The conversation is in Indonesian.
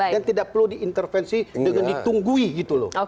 dan tidak perlu diintervensi dengan ditunggui gitu loh